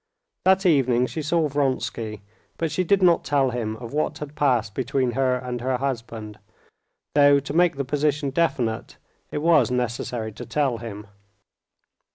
That evening she saw Vronsky, but she did not tell him of what had passed between her and her husband, though, to make the position definite, it was necessary to tell him.